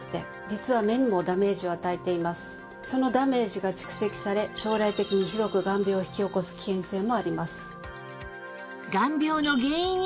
そのダメージが蓄積され将来的に広く眼病を引き起こす危険性もあります。